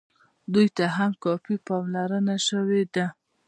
دوی ته هم کافي پاملرنه شوې ده.